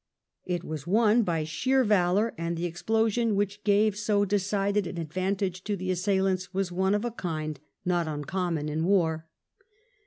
It was won by sheer valour; and the explosion which gave so decided an advantage to the assailants was one of a kind not uncommon in war.